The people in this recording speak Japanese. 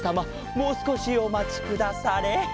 もうすこしおまちくだされ。